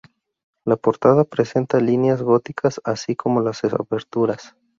La portada presenta líneas góticas así como las aberturas.